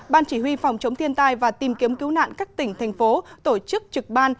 ban chỉ huy phòng chống thiên tai và tìm kiếm cứu nạn các tỉnh thành phố tổ chức trực ban